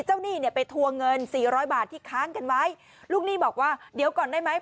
หนี้เนี่ยไปทวงเงินสี่ร้อยบาทที่ค้างกันไว้ลูกหนี้บอกว่าเดี๋ยวก่อนได้ไหม